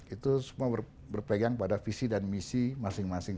itu semua berpegang pada visi dan misi masing masing